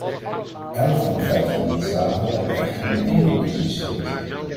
Elf van de vijftien lidstaten hebben echter een enkel kiesdistrict.